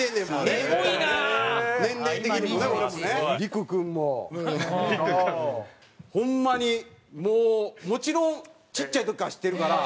陸君もホンマにもうもちろんちっちゃい時から知ってるから。